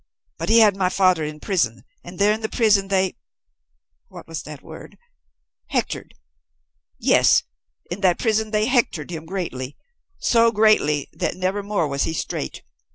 But he had my father imprisoned, and there in the prison they What was that word, hectored? Yes. In the prison they hectored him greatly so greatly that never more was he straight.